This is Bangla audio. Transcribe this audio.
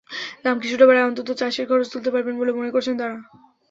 দাম কিছুটা বাড়ায় অন্তত চাষের খরচ তুলতে পারবেন বলে মনে করছেন তাঁরা।